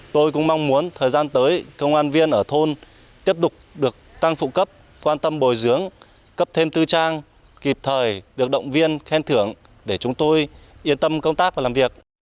tôi cũng mong muốn thời gian tới công an viên ở thôn tiếp tục được tăng phụ cấp quan tâm bồi dưỡng cấp thêm tư trang kịp thời được động viên khen thưởng để chúng tôi yên tâm công tác và làm việc